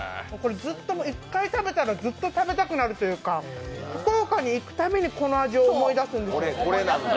１回食べたらずっと食べたくなるというか福岡に行くたびにこの味を思い出すんです。